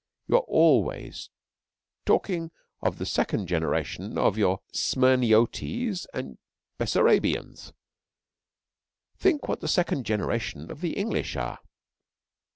You are always talking of the second generation of your Smyrniotes and Bessarabians. Think what the second generation of the English are!'